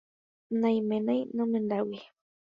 Naiménai nomendáigui.